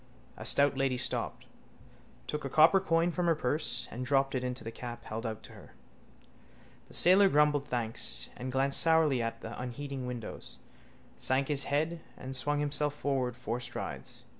A stout lady stopped, took a copper coin from her purse and dropped it into the cap held out to her. The sailor grumbled thanks, glanced sourly at the unheeding windows, sank his head and swung himself forward four strides.